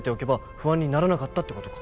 不安にならなかったってことか